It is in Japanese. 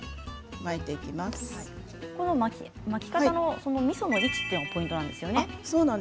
巻き方のみその位置がポイントなんですね。